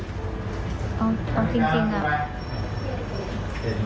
เอาจริงครับ